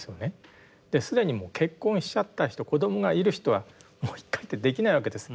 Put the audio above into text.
既にもう結婚しちゃった人子どもがいる人はもう一回ってできないわけです。